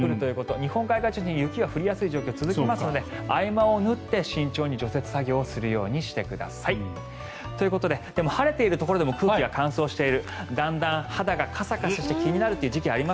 日本海側を中心に雪が降りやすい状況が続きますので合間を縫って慎重に除雪作業をするようにしてください。ということででも晴れているところでも空気は乾燥している。